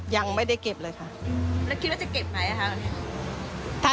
ยังไม่ได้เก็บเลยค่ะ